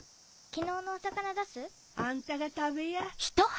昨日のお魚出す？あんたが食べや。